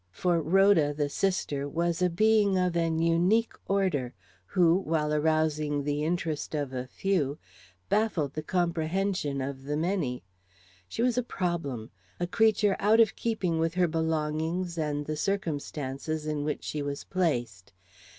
For Rhoda, the sister, was a being of an unique order, who, while arousing the interest of a few, baffled the comprehension of the many. She was a problem; a creature out of keeping with her belongings and the circumstances in which she was placed.